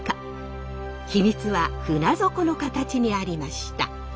秘密は船底の形にありました。